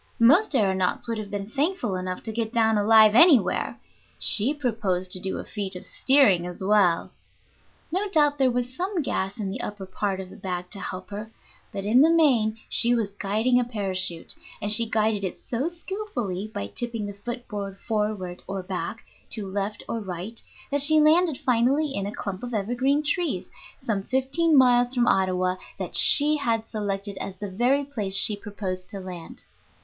Most aëronauts would have been thankful enough to get down alive anywhere; she proposed to do a feat of steering as well. No doubt there was some gas in the upper part of the bag to help her, but in the main she was guiding a parachute; and she guided it so skilfully by tipping the foot board forward or back, to left or right, that she landed finally in a clump of evergreen trees, some fifteen miles from Ottawa, that she had selected as the very place she proposed to land.